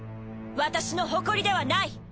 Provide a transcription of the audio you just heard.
私の誇りではない！